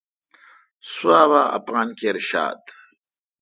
سوا با اپان کر شات۔